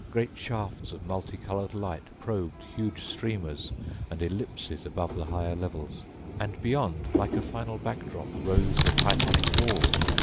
Great shafts of multicolored light probed huge streamers and ellipses above the higher levels. And beyond, like a final backdrop, rose a titanic wall.